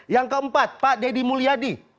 yang keempat pak deddy mulyadi